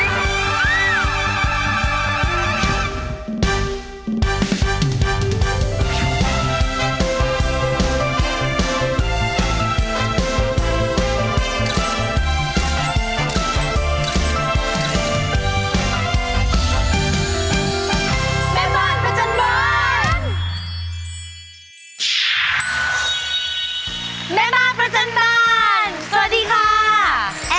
แอปทานีราค่า